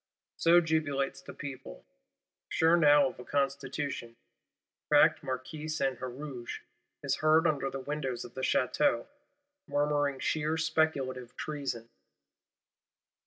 —So jubilates the people; sure now of a Constitution. Cracked Marquis Saint Huruge is heard under the windows of the Château; murmuring sheer speculative treason.